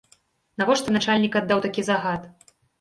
Навошта начальнік аддаў такі загад?